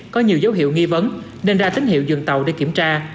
có nhiều dấu hiệu nghi vấn nên ra tín hiệu dừng tàu để kiểm tra